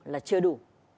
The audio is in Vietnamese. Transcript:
là chưa đủ